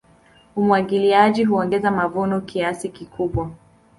Umwagiliaji huongeza mavuno kiasi kikubwa.